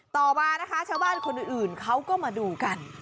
ต่อมานะคะชาวบ้านคนอื่นเขาก็มาดูกัน